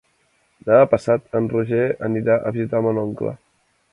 Demà passat en Roger anirà a visitar mon oncle.